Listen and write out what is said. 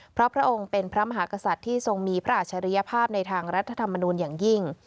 เพราะพระองค์เป็นพระมหากษัตริย์ที่ทรงมีพระอัจฉริยภาพในทางรัฐธรรมนูลอย่างยิ่ง